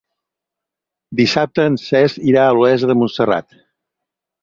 Dissabte en Cesc irà a Olesa de Montserrat.